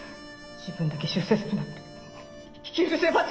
「自分だけ出世するなんて許せません！」